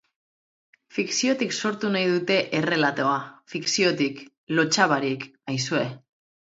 Fikziotik sortu nahi dute errelatoa, fikziotik, lotsa barik, aizue.